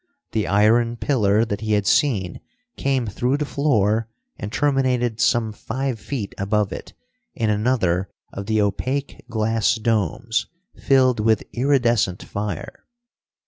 The iron pillar that he had seen came through the floor and terminated some five feet above it in another of the opaque glass domes, filled with iridescent fire.